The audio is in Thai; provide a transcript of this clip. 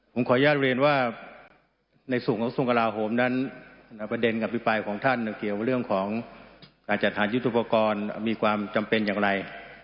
ผมขออนุญาตเรียนว่าในส่วนของทรงกระลาโหมนั้นประเด็นอภิปรายของท่านเกี่ยวกับเรื่องของการจัดฐานยุทธุปกรณ์มีความจำเป็นอย่างไร